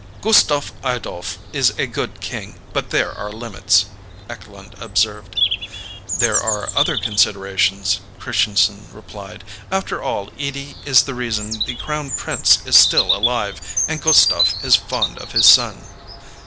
"Gustaf Adolf is a good king, but there are limits," Eklund observed. "There are other considerations," Christianson replied. "After all, Edie is the reason the Crown Prince is still alive, and Gustaf is fond of his son."